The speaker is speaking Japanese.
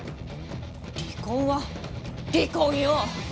離婚は離婚よ！